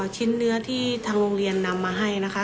ชิ้นเนื้อที่ทางโรงเรียนนำมาให้นะคะ